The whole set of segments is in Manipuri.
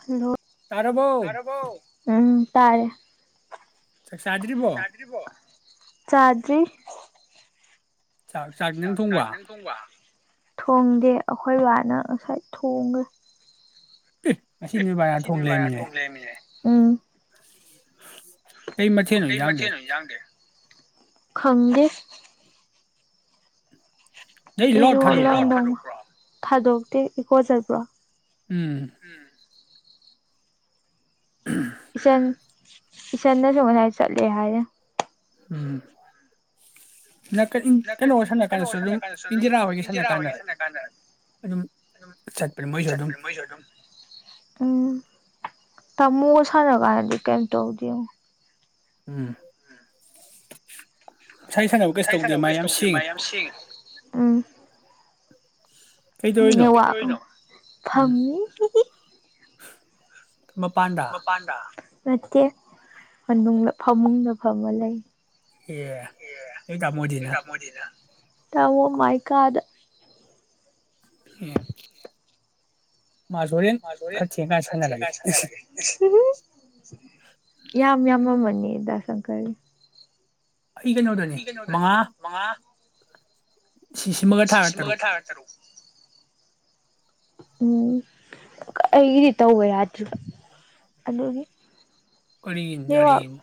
ꯍꯜꯂꯣ ꯇꯥꯔꯕꯔ‌ꯣ ꯎꯝ ꯇꯥꯔꯦ ꯆꯥꯛ ꯆꯥꯗꯔꯤꯕꯣ ꯆꯥꯗꯔꯤ ꯆꯥꯛ ꯆꯥꯛ ꯅꯪ ꯊꯣꯡꯕ ꯊꯣꯡꯗꯦ ꯑꯩꯈꯣꯏ ꯕꯥꯅ ꯉꯁꯥꯏ ꯊꯣꯡꯈ꯭ꯔꯦ ꯉꯁꯤ ꯕꯥꯅ ꯊꯣꯡ ꯂꯩꯔꯝꯃꯤꯅꯦ ꯎꯝ ꯀꯩ ꯃꯊꯦꯟꯅꯣ ꯏꯟꯖꯥꯡꯗꯤ ꯈꯪꯗꯦ [unintelligible] ꯊꯥꯗꯣꯛꯇꯦ ꯏꯀꯣ ꯆꯠꯄꯔꯣ ꯎꯝ ꯏꯆꯟ ꯏꯆꯟꯅꯥꯁꯨ ꯉꯁꯥꯏ ꯆꯠꯂꯦ ꯍꯥꯏꯔꯤꯝ ꯎꯝ [unintelligible] ꯀꯩꯅꯣꯒꯥ ꯁꯥꯟꯅ ꯀꯥꯟꯗꯁꯨ ꯑꯗꯨꯝ ꯏꯟꯗꯤꯔꯥ ꯍꯣꯏꯒꯤ ꯁꯥꯟꯅ ꯀꯥꯟꯗ ꯑꯗꯨꯝ ꯆꯠꯄꯅꯤ ꯃꯣꯏꯁꯨ ꯑꯗꯨꯝ ꯎꯝ ꯇꯥꯃꯣꯒ ꯁꯥꯟꯅ ꯀꯥꯟꯗꯗꯤ ꯀꯩꯝ ꯇꯧꯗꯦ ꯌꯦꯡꯉꯣ ꯎꯝ ꯁꯥꯏ ꯁꯥꯟꯅꯕ ꯀꯩꯏꯁ ꯇꯧꯗꯦ ꯃꯥ ꯌꯥꯝ ꯁꯦꯡꯉꯤ ꯎꯝ ꯃꯤꯅꯥ ꯋꯥ ꯑꯗꯨꯝ ꯀꯩꯗꯧꯔꯤꯅ‌ꯣ ꯐꯝꯃꯤ ꯍꯤ ꯍꯤ ꯃ ꯄꯥꯟꯗꯥꯥ ꯅꯠꯇꯦ ꯃꯅꯨꯡꯗ ꯐꯃꯨꯡꯗ ꯐꯝꯃ ꯂꯩ ꯑꯦ ꯅ‌ꯣꯏ ꯇꯥꯃ‌ꯣꯗꯤ ꯅ ꯇꯥꯃꯣ ꯃꯥꯏꯀꯥꯗ ꯑꯦ ꯃꯥꯁꯨ ꯍꯣꯔꯦꯟ ꯈꯔ ꯊꯦꯡꯀꯥꯟ ꯁꯥꯟꯅꯔꯒꯦ ꯏꯁ ꯍꯨ ꯍꯨꯝ ꯌꯥꯝ ꯌꯥꯝꯃꯝꯃꯅꯤꯗ ꯆꯪꯈꯔꯤ ꯑꯩ ꯀꯩꯅꯣꯗꯅꯤ ꯃꯉꯥ ꯁꯤ ꯁꯤꯃꯒ ꯊꯥꯔ ꯇꯔꯨꯛ ꯎꯝ ꯑꯩꯒꯤꯗꯤ ꯇꯧꯕ ꯌꯥꯗ꯭ꯔꯤꯕ ꯑꯗꯨꯒꯤ ꯀꯔꯤꯒꯤꯟ ꯌꯥꯗ ꯩꯗꯨꯕꯨ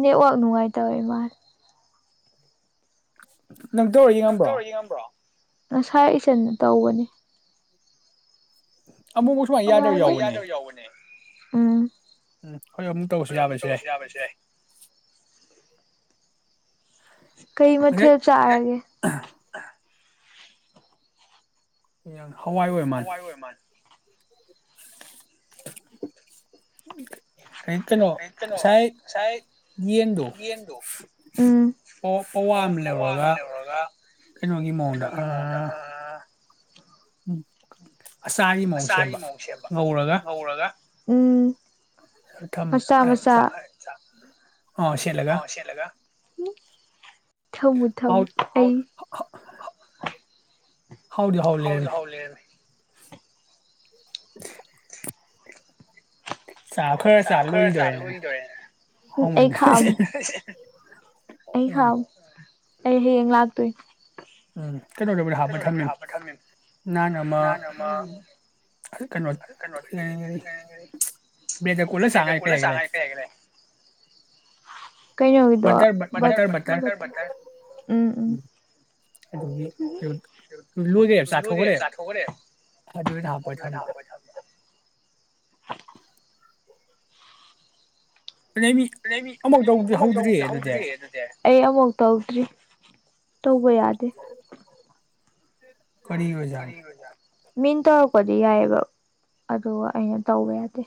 ꯅꯦꯠꯋꯥꯛ ꯅꯨꯡꯉꯥꯏꯇꯕꯩ ꯃꯥꯥꯂꯤ [unintelligible] ꯅꯪ ꯇꯧꯔ ꯌꯦꯉꯝꯕ꯭ꯔꯣ ꯉꯁꯥ ꯏꯆꯟꯅ ꯇꯧꯕꯅꯤ ꯎ ꯑꯃꯨꯛꯃꯨꯛ ꯁꯨꯃꯥꯏꯅ ꯌꯥꯗꯕ ꯌꯥꯎꯕꯅꯦ ꯎꯝ ꯎꯝ ꯍꯣꯏ ꯑꯃꯨꯛ ꯇꯧꯕꯁꯨ ꯌꯥꯕꯁꯨ ꯌꯥꯏ ꯀꯩ ꯃꯊꯦꯜ ꯆꯥꯔꯒꯦ ꯑ [inaudible] ꯍꯋꯥꯏ ꯑꯣꯢꯔꯃꯥꯂꯦ ꯎꯝ ꯑꯩ ꯀꯩꯅꯣ ꯉꯁꯥꯏ ꯌꯦꯟꯗꯣ ꯑꯣ ꯑꯋꯥ ꯑꯃ ꯂꯧꯔꯒ ꯀꯩꯅꯣꯒꯤ ꯃꯑꯣꯡꯗ ꯑ ꯎꯝ ꯑꯆꯥꯒꯤ ꯃꯑꯣꯡ ꯁꯦꯝꯕ ꯉꯧꯔꯒ ꯎꯝ ꯃꯆꯥ ꯃꯆꯥ ꯑ ꯁꯦꯠꯂꯒ ꯎꯝ ꯊꯃꯨ ꯊꯝꯃꯨ ꯑꯩ ꯍꯥꯎꯗꯤ ꯍꯥꯎ ꯂꯩꯔꯝꯃꯦ꯫ [inaudible] ꯆꯥ ꯈꯔ ꯆꯥꯔꯥ ꯂꯣꯏꯈꯤꯗꯣꯔꯦꯅꯦ ꯑꯩ ꯈꯥꯛꯑꯝꯃꯣ ꯑꯩ ꯈꯥꯛꯑꯝꯃꯣ ꯑꯩ ꯍꯌꯦꯡ ꯂꯥꯛꯇꯣꯏ ꯎꯝ ꯀꯩꯅꯣꯗꯕꯨꯗꯤ ꯍꯥꯞꯄ ꯊꯝꯃꯤ ꯅꯍꯥꯟ ꯑꯃ ꯀꯩꯅꯣ ꯕꯔ꯭ꯦꯠꯇ ꯀꯣꯠꯂ ꯆꯥꯉꯥꯏ ꯀꯩ ꯍꯥꯏꯈꯔꯦ ꯫ ꯀꯩꯅꯣ ꯒꯤꯗꯣ ꯕꯥꯠꯇꯔ ꯕꯥꯠꯇꯔ ꯎꯝ ꯎꯝ ꯑꯗꯨꯒꯤ ꯂꯣꯏꯈ꯭ꯔꯦꯕ ꯆꯥꯊꯣꯛꯈ꯭ꯔꯦꯕ ꯑꯗꯨꯗ ꯍꯥꯞꯄ ꯊꯝꯕ [unintelligible] ꯍꯧꯗ꯭ꯔꯤ ꯑꯗꯨꯗꯤ ꯑꯩ ꯑꯃꯐꯥꯎ ꯇꯧꯗ꯭ꯔꯤ ꯇꯧꯕ ꯌꯥꯗꯦ [inaudible] ꯀꯔꯤꯒꯤ ꯑꯣꯖꯥꯇꯅꯣ ꯃꯤꯅ ꯇꯧꯔꯛꯄꯗꯤ ꯌꯥꯏꯑꯕ ꯑꯗꯨꯒ ꯑꯩꯅ ꯇꯧꯕ ꯌꯥꯗꯦ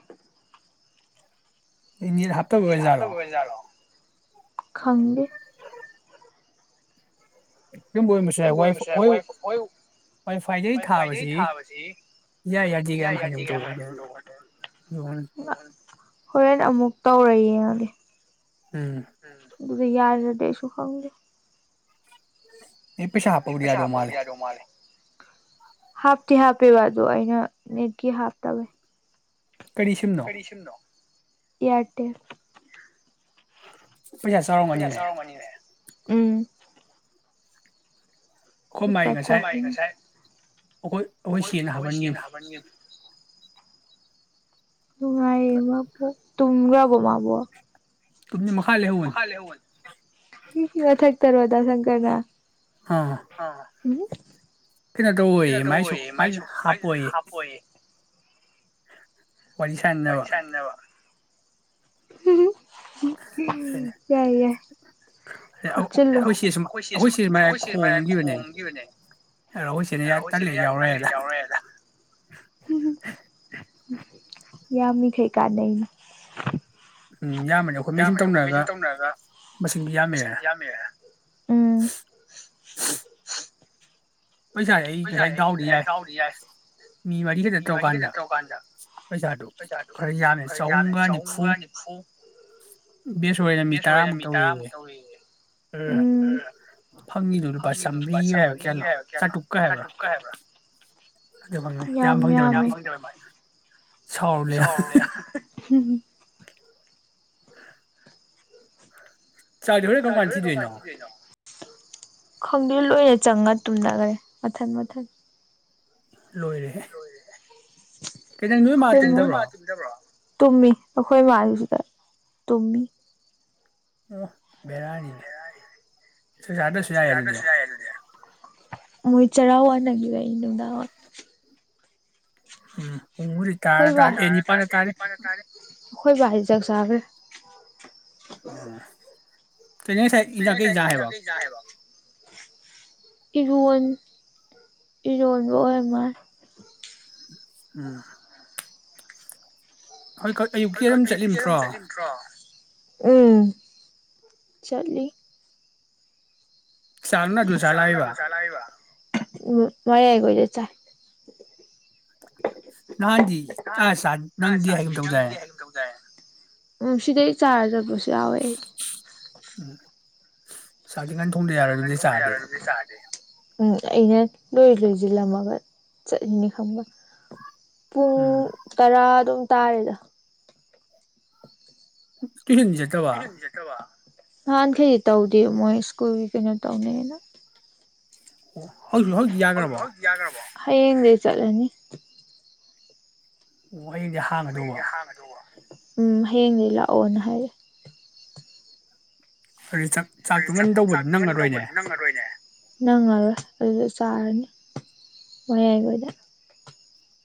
ꯅ‌ꯦꯠ ꯍꯥꯞꯇꯕꯩ ꯑ‌ꯣꯏꯖꯥꯔꯣ ꯈꯪꯗ‌ꯦ ꯌꯨꯝꯕ ꯑꯣꯏꯔꯝꯕꯁꯨ ꯌꯥꯏ ꯋꯥꯏ ꯍꯣꯏ ꯋꯥꯏꯐꯥꯏꯗꯩ ꯊꯥꯕꯁꯤ ꯌꯥ ꯌꯥꯗꯦ ꯒ ꯍꯥꯏꯅꯧ ꯇꯧꯕꯅꯦ ꯍꯣꯔꯦꯟ ꯑꯃꯨꯛ ꯇꯧꯔ ꯌꯦꯡꯉꯒꯦ ꯎꯝ ꯑꯗꯨ ꯌꯥꯗꯔꯗꯤ ꯑꯩꯁꯨ ꯈꯪꯗꯦ꯫ [unintelligible] ꯑꯩ ꯄꯩꯁꯥ ꯍꯥꯞꯄꯥꯕꯨꯗꯤ ꯌꯥꯗꯣ ꯃꯥꯂ‌ꯦ ꯇꯤ ꯍꯥꯞꯄꯦꯕ ꯑꯗꯣ ꯑꯩꯅ ꯅꯦꯛꯀꯤ ꯍꯥꯞꯇꯕꯩ ꯀꯔꯤ ꯁꯤꯝꯅꯣ ꯑꯦꯌꯥꯔꯇꯦꯜ ꯄꯩꯁꯥ ꯆꯥꯔꯝ ꯑꯅꯤꯅꯦ ꯎꯝ ꯑꯩꯈꯣꯏ ꯃꯥꯥꯏ ꯉꯁꯥꯏ ꯑꯩꯈꯣꯏ ꯑꯩꯈꯣꯏ ꯁꯤꯅ ꯍꯥꯄꯟꯒꯤꯝ [unintelligible] ꯇꯨꯝꯒ꯭ꯔꯕꯣ ꯃꯥꯥꯕꯣ ꯃꯇꯛꯇꯔꯣ [unintelligible] ꯑꯥ [unintelligible] ꯀꯩꯅꯣ ꯇꯧ ꯑꯣꯏꯌꯦ ꯃꯥꯏꯁꯨ ꯃꯥꯏꯁꯨ ꯍꯥꯞꯄꯣꯌꯦ ꯋꯥꯔꯤ ꯁꯥꯟꯅꯕ [unintelligible] ꯌꯥꯏ ꯌꯥꯏ ꯍꯥꯞꯆꯤꯜꯂꯨ ꯑꯩꯈꯣꯏ ꯆꯦꯁꯨ ꯑꯩꯈꯣꯏ ꯆꯦꯁꯨ ꯃꯥ ꯈꯣꯡꯒꯤꯈꯤꯕꯅꯦ ꯈꯣꯏ ꯆꯦꯅ ꯌꯥꯗꯦ ꯃ ꯌꯥꯎꯔꯣꯏꯗ ꯌꯥꯝ ꯃꯤꯈꯩ ꯀꯥꯟꯅꯩꯅꯦ ꯎꯝ ꯌꯥꯝꯕꯅꯤ ꯑꯩꯈꯣꯏ ꯃꯩꯁꯤꯡ ꯇꯧꯅꯔꯒ ꯃꯁꯤꯡꯗꯤ ꯌꯥꯝꯃꯦ [unintelligible] ꯄꯩꯁꯥꯥꯁꯦ ꯑꯩ ꯉꯩꯁꯥꯏ ꯇꯗꯥꯎꯔꯤ ꯌꯥꯏ ꯃꯤ ꯃꯔꯤ ꯈꯛꯇ ꯇꯧꯔꯀꯥꯟꯗ ꯄꯩꯁꯥꯗꯨ ꯈꯔ ꯌꯥꯝꯃꯦ ꯆꯍꯨꯝꯒ ꯅꯤꯐꯨ ꯕꯦꯁ ꯑꯣꯏꯅ ꯃꯤ ꯇꯔꯥꯃꯨꯛꯛꯇꯧꯔꯦ ꯐꯪꯉꯤꯗꯨ ꯂꯨꯄꯥ ꯆꯥꯝꯃꯔꯤꯒ ꯍꯥꯏꯕ ꯀꯌꯥꯅꯣ ꯆꯥꯇ꯭ꯔꯨꯛꯀ ꯍꯥꯏꯕ꯭ꯔꯥ ꯌꯥꯝ ꯌꯥꯝꯃꯤ ꯁꯥꯎꯔ ꯂꯩ ꯆꯥꯗꯤ ꯍꯣꯔꯦꯟ ꯀꯝ ꯀꯥꯟ ꯊꯤꯗꯣꯢꯅꯣ ꯈꯪꯗꯦ ꯂꯣꯏꯅ ꯆꯪꯉꯥ ꯇꯨꯝꯅꯈꯔꯦ ꯃꯊꯟ ꯃꯊꯟ ꯂꯣꯏꯔꯦ ꯈꯣꯏꯃꯥ ꯑꯩꯈꯣꯏ ꯃꯥꯅꯤ ꯇꯨꯝꯃꯤ ꯑꯩꯈꯣꯢꯃꯥꯖꯨ ꯁꯤꯗ ꯇꯨꯝꯃꯤ ꯑꯣ ꯕꯦꯔꯥꯅꯤꯅꯦ ꯆꯥꯛ ꯆꯗꯔ꯭ꯁꯨ ꯌꯥꯔꯦ ꯑꯗꯨꯗꯤ ꯃꯣꯏ ꯆꯔꯥ ꯋꯥꯅꯈꯤꯕꯩ ꯅꯨꯡꯗꯥꯡ ꯋꯥ ꯎꯝ ꯎꯝ ꯇꯥꯔ ꯇꯥꯔꯦ ꯑꯦ ꯅꯤꯄꯥꯟꯗ ꯇꯔꯦ ꯑꯩꯈꯣꯏ ꯕꯥꯗꯤ ꯆꯥꯛ ꯆꯥꯒꯦ ꯎꯝ ꯀꯩ ꯅꯩ ꯉꯥꯁꯥꯏ ꯑꯦꯟꯖꯥꯡ ꯀꯩ ꯆꯥꯏꯍꯥꯌꯕ ꯏꯔꯣꯟ ꯏꯔꯣꯟꯕ ꯑꯣꯏꯔꯃꯂꯦ ꯎꯝ ꯍꯣꯏ ꯑꯌꯨꯛꯀꯤ ꯑꯗꯨꯝ ꯆꯠꯂꯤꯝꯇ꯭ꯔꯣ ꯎꯝ ꯆꯠꯂꯤ ꯆꯥꯛꯅ ꯑꯗꯨꯗ ꯆꯥꯔ ꯂꯥꯛꯏꯕ ꯎꯝ ꯃꯥꯌꯥꯏ ꯍ‌ꯣꯏꯗ ꯆꯥꯏ ꯅꯍꯥꯟꯗꯤ ꯑꯗꯆꯥ ꯅꯪꯗ‌ꯦ ꯍꯥꯏꯒꯨꯝ ꯇꯧꯗꯥꯏ ꯎ ꯁꯤꯗꯩ ꯆꯥꯔ ꯆꯠꯄꯁꯤ ꯌꯥꯋꯦ ꯆꯥꯛꯇꯤ ꯉꯟ ꯊꯣꯡꯗ ꯌꯥꯔꯣꯏ ꯑꯗꯨꯗꯩ ꯆꯥꯔꯗꯦ ꯎꯝ ꯑꯩꯅ ꯂꯣꯏ ꯂꯣꯏꯖꯤꯜꯂꯝꯃꯒ ꯆꯠꯂꯤꯅꯤ ꯈꯪꯕ ꯄꯨꯡ ꯇꯔꯥ ꯑꯗꯨꯝ ꯇꯥꯔꯦꯗ ꯎ ꯇꯨꯏꯁꯟ ꯆꯠꯇꯕ ꯅꯍꯥꯟꯈꯩꯗꯤ ꯇꯎꯗꯤ ꯃꯣꯏ ꯏꯁ꯭ꯀꯨꯜꯒꯤ ꯀꯩꯅ‌ꯣ ꯇꯧꯅꯩꯌ‌ꯦꯅ ꯍꯧꯖꯤꯛꯇꯤ ꯌꯥꯒ꯭ꯔꯕ‌ꯣ ꯍꯌ‌ꯦꯡ ꯆꯠꯂꯅꯤ ꯃ‌ꯣꯏ ꯍꯌ‌ꯦꯡꯗꯤ ꯍꯥꯡꯉ ꯗꯧꯕ ꯎꯝ ꯍꯌꯦꯡꯗꯩꯦ ꯂꯥꯛꯑꯣꯅ ꯍꯥꯏꯔꯦ ꯑꯗꯨ ꯆꯥꯛ ꯆꯥꯛ ꯇꯨꯉꯟ ꯇꯧꯕꯗꯨ ꯅꯪꯉꯔꯣꯏꯅꯦ ꯅꯪꯉꯔꯣꯏ ꯑꯗꯨꯗ ꯆꯥꯔꯅꯤ ꯃꯌꯥꯏꯈꯣꯏꯗ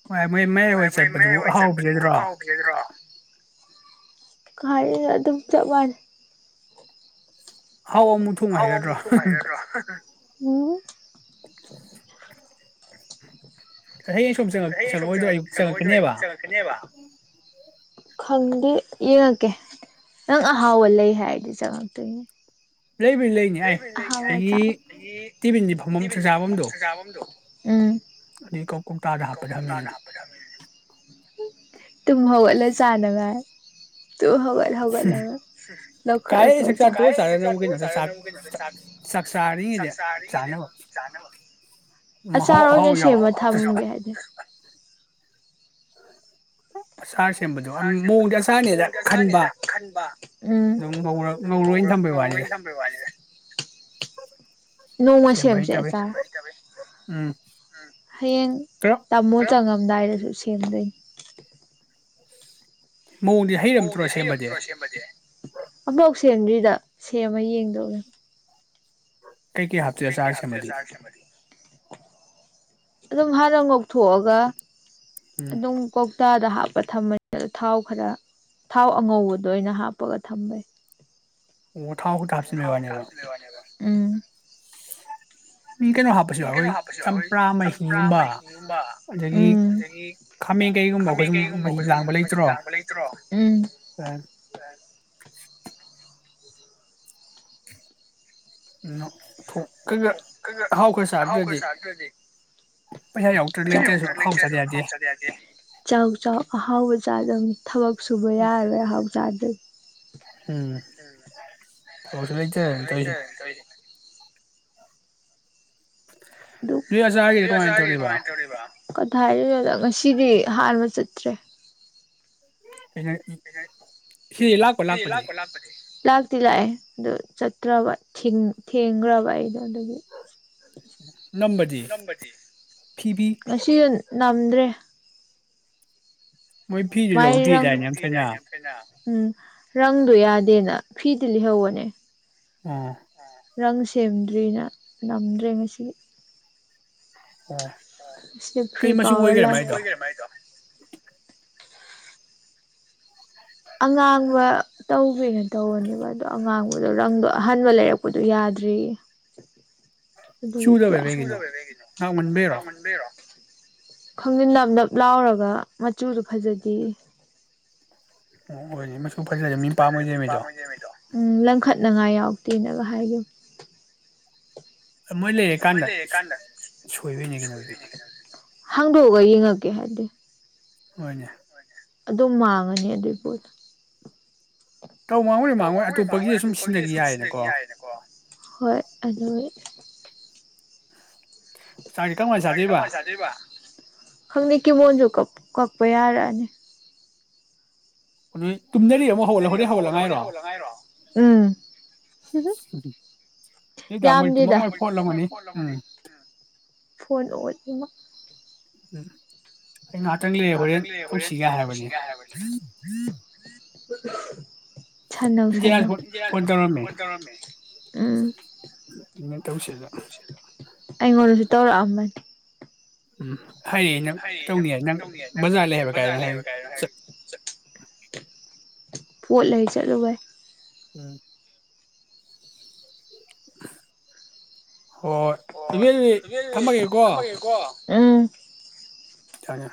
ꯍꯣꯏ ꯃꯣꯏ ꯃꯌꯥꯏ ꯍꯣꯏ ꯆꯠꯄꯗꯨ ꯑꯍꯥꯎ ꯄꯤꯖꯗ꯭ꯔꯣ ꯀꯥꯏꯗꯩꯅꯣ ꯑꯗꯨꯝ ꯆꯝ ꯃꯥꯟꯅꯩ ꯍꯥꯎ ꯑꯃꯨꯛ ꯊꯣꯡꯉꯥꯏꯒꯗ꯭ꯔꯣ ꯎ [inaudible] ꯍꯌꯦꯡ ꯁꯣꯝ ꯆꯪꯉꯛꯑꯣꯏꯗ꯭ꯔꯣ ꯑꯌꯨꯛ ꯆꯪꯉꯛꯀꯅꯦꯕ ꯈꯪꯗꯦ ꯌꯦꯡꯉꯛꯀꯦ ꯅꯪ ꯑꯍꯥꯎꯕ ꯂꯩ ꯍꯥꯏꯔꯗꯤ ꯆꯪꯉꯛꯇꯣꯏꯅꯦ ꯂꯩꯕ ꯑꯩꯒꯤ ꯏꯤꯚꯤꯟꯗꯤ ꯐꯐꯝ ꯆꯖꯥꯐꯝꯗꯣ ꯎꯝ ꯇꯨ ꯍꯂ ꯆꯅꯉ ꯇꯨ ꯍꯧꯒꯠ ꯍꯧꯒꯠ ꯂ [inaudible] ꯑꯆꯥꯔ ꯑꯣꯏꯅ ꯁꯦꯝꯦꯕ ꯊꯝꯃꯒꯦ ꯍꯥꯏꯗꯤ ꯁꯥ ꯑꯁꯥ ꯁꯦꯝꯕꯗꯣ ꯃꯑꯣꯡꯗ ꯑꯁꯥꯅꯦꯗ ꯈꯟꯕ ꯎ ꯉꯧꯔꯣꯏꯅ ꯊꯃꯦꯒꯤ ꯋꯥꯅꯤꯗ ꯅꯣꯡꯃ ꯁꯦꯝ ꯌꯥꯝ ꯆꯠ ꯁꯥ ꯍꯌꯦꯡ ꯇꯥꯃꯣꯜ ꯆꯪꯉꯝꯗꯥꯏꯗꯁꯨ ꯁꯦꯝꯗꯣꯏꯅꯤ [inaudible] ꯃꯑꯣꯡꯗꯤ ꯍꯩꯔꯝꯇ꯭ꯔꯣ ꯁꯦꯝꯕꯗꯤ ꯑꯐꯥꯎ ꯁꯦꯝꯗ꯭ꯔꯤꯗ ꯁꯦꯝꯃ ꯌꯦꯡꯗꯧꯅꯦ ꯀꯩ ꯀꯩ ꯍꯥꯞꯇꯣꯏ ꯑꯆꯥꯔꯁꯦꯝꯃꯗꯤ ꯑꯗꯨꯝ ꯍꯥꯟꯅ ꯉꯧꯊꯣꯛꯑꯒ ꯑꯗꯨꯝ ꯀꯣꯛꯇꯥ ꯗ ꯍꯥꯞꯄ ꯊꯝꯃꯅꯤ ꯑꯗ ꯊꯥꯎ ꯈꯔ ꯊꯥꯎ ꯑꯉꯧꯕꯗꯨ ꯑꯣꯏꯅ ꯍꯥꯞꯄꯒ ꯊꯝꯕꯩ [unintelligible] ꯊꯥꯎ ꯈꯛꯇ ꯍꯥꯞꯆꯤꯟꯕꯩ ꯋꯥꯅꯦꯕ ꯎꯃ ꯀꯩꯅꯣ ꯍꯥꯞꯄꯁꯨ ꯌꯥꯎꯔꯤ ꯆꯝꯄ꯭ꯔꯥ ꯃꯩꯍꯤꯒꯨꯝꯕ ꯑꯗꯒꯤ ꯈꯥꯃꯦꯟ ꯀꯩꯒꯨꯝꯕ ꯑꯩꯈꯣꯏ ꯁꯨꯝ ꯃꯥꯒꯤ ꯂꯥꯡꯕ ꯂꯩꯇ꯭ꯔꯣ ꯑꯍꯥꯎ ꯈꯔ ꯆꯗ꯭ꯔꯗꯤ ꯄꯩꯁꯥ ꯌꯥꯎꯗ ꯂꯩꯇ꯭ꯔꯁꯣ ꯑꯍꯥꯎ ꯆꯥꯗ ꯌꯥꯗꯦ ꯆꯥꯎ ꯆꯥꯎ ꯑꯍꯥꯎ ꯆꯥꯗꯧꯅꯦ ꯊꯕꯛ ꯁꯨꯕ ꯌꯥꯔꯔꯣꯏ ꯑꯍꯥꯎ ꯆꯥꯗꯦ ꯎꯝ ꯊꯥꯕꯛꯁꯨ ꯂꯩꯇꯦ ꯑꯩ ꯇꯧꯔꯤꯁꯦ꯫ [inaudible] ꯀꯃꯥꯏꯅ ꯇꯧꯔꯤꯕ [unintelligible] ꯍꯥꯏꯗꯨꯗ ꯉꯁꯤꯗꯤ ꯍꯥꯟꯕ ꯆꯠꯇ꯭ꯔꯦ ꯎ ꯁꯤꯗꯤ ꯂꯥꯛꯄꯣ ꯂꯥꯛꯄꯗꯤ ꯇꯤ ꯂꯥꯛꯑꯦ ꯑꯗꯨꯗꯣ ꯆꯠꯇ꯭ꯔꯕ ꯊꯦꯡꯈ꯭ꯔꯕ ꯑꯩꯗꯣ ꯑꯗꯨꯗꯒꯤ [inaudible] ꯉꯁꯤꯗꯣ [inaudible] ꯀꯟꯗ꯭ꯔꯦ ꯃꯗ ꯎꯝ ꯔꯪꯗꯣ ꯌꯥꯗꯦꯅ ꯐ꯭ꯔꯤꯗ ꯂꯩꯍꯧꯕꯅꯦ ꯎ ꯔꯪ ꯁꯦꯝꯗ꯭ꯔꯤꯅ ꯅꯝꯗ꯭ꯔꯦ ꯉꯁꯤꯒꯤ ꯐꯔꯤ ꯀ ꯑꯉꯥꯡꯕ ꯇꯧꯒꯦꯅ ꯇꯧꯕꯅꯦꯕ ꯑꯗꯣ ꯑꯉꯥꯡꯕꯗꯣ ꯔꯪꯗꯣ ꯑꯍꯟꯕ ꯂꯩꯔꯛꯄꯗꯣ ꯌꯥꯗ꯭ꯔꯤꯌꯦ ꯅꯔꯣ ꯈꯪꯖꯤꯟ ꯂꯞ ꯂꯞ ꯂꯥꯎꯔꯒ ꯃꯆꯨꯗꯨꯣ ꯐꯖꯗ ꯎ ꯑꯣꯏꯅꯤ ꯃꯁ [inaudible] ꯎꯝ ꯂꯡꯈꯠ ꯉꯥꯏ ꯌꯥꯎꯗꯦꯅꯒ ꯍꯥꯏꯒ ꯃꯣꯏ ꯂꯩꯔꯀꯥꯟꯗ ꯁꯣꯏꯕꯩꯅꯤ ꯀꯔꯤꯅꯣ ꯑꯗꯨꯗꯤ ꯍꯥꯡꯗꯣꯛꯑꯒ ꯌꯦꯡꯉꯛꯀꯦ ꯍꯥꯏꯗꯤ ꯍꯣꯏꯅꯦ ꯑꯗꯨꯝ ꯃꯥꯡꯉꯅꯤ ꯑꯗꯨꯒꯤ ꯄꯣꯠꯇꯣ ꯇꯧ ꯃꯥꯡꯉꯣꯏ ꯃꯥꯡꯉꯣꯏ ꯑꯇꯣꯞꯄꯒꯤ ꯁꯨꯝ ꯁꯤꯟꯅꯒ ꯌꯥꯏꯌꯦꯅꯀꯣ ꯍꯣꯏ ꯑꯗꯨ ꯈꯪꯗꯦ ꯀꯤꯪꯕꯣꯟꯁꯨ ꯀꯛꯄ ꯌꯥꯔꯛꯑꯅꯤ ꯎꯝ ꯌꯥꯝꯗꯦꯗ ꯎꯝ ꯑꯩ ꯉꯍꯥꯛꯇꯪ ꯂꯩꯔꯦ ꯍꯣꯔꯦꯟ ꯇꯧꯁꯤꯒꯦ ꯍꯥꯏꯔꯕꯅꯦ ꯁꯥꯟꯅꯧ ꯁꯥꯟꯅꯧ ꯎꯝ ꯑꯩꯉꯣꯟꯗꯁꯨ ꯇꯧꯔꯛꯑꯝꯕꯅꯤ ꯎꯝ ꯍꯥꯏꯌꯦ ꯅꯪ ꯇꯧꯅꯤ ꯅꯪ ꯕꯖꯥꯔ ꯂꯩ ꯍꯥꯏꯕ ꯀꯥꯏꯅꯣ ꯍꯥꯏ ꯄꯣꯠ ꯂꯩꯕꯥ ꯆꯠꯂꯨꯕꯩꯐ ꯎꯝ ꯍꯣꯏ ꯊꯝꯃꯒꯦꯀꯣ ꯎꯝ ꯌꯥ